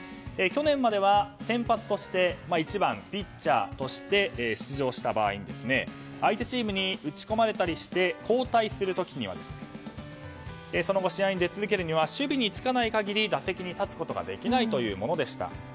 去年までは先発１番ピッチャーとして出場した場合、相手チームに打ち込まれたりして交代する時にその後、試合に出続けるには守備につかない限り打席に立つことができないというものでした。